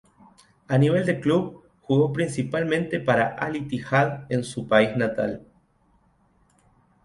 A nivel de club, jugó principalmente para Al-Ittihad en su país natal.